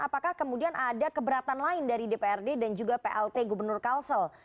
apakah kemudian ada keberatan lain dari dprd dan juga plt gubernur kalsel